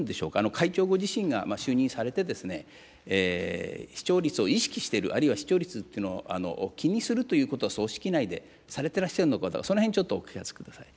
会長ご自身が就任されて、視聴率を意識している、あるいは視聴率っていうのを気にするということは組織内でされてらっしゃるのか、そのへんちょっとお聞かせください。